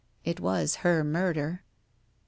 It was her murder. .